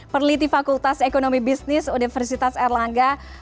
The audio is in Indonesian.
perliti fakultas ekonomi bisnis universitas erlangga